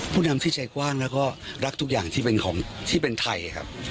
นำที่ใจกว้างแล้วก็รักทุกอย่างที่เป็นของที่เป็นไทยครับ